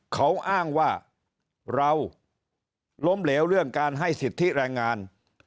เขาอ้างว่าเราล้มเหลวเรื่องการให้สิทธิแรงงาน